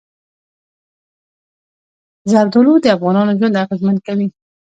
زردالو د افغانانو ژوند اغېزمن کوي.